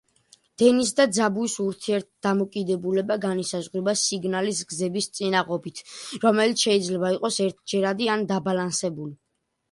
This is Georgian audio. დენის და ძაბვის ურთიერთდამოკიდებულება განისაზღვრება სიგნალის გზების წინაღობით, რომელიც შეიძლება იყოს ერთჯერადი ან დაბალანსებული.